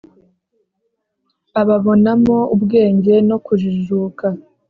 ababonamo ubwenge no kujijuka,